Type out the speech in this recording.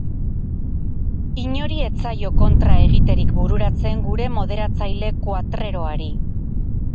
Inori ez zaio kontra egiterik bururatzen gure moderatzaile kuatreroari.